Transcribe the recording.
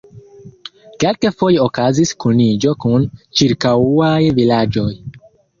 Kelkfoje okazis kuniĝo kun ĉirkaŭaj vilaĝoj.